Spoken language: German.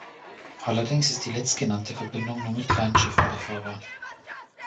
Allerdings ist die letztgenannte Verbindung nur mit kleinen Schiffen befahrbar.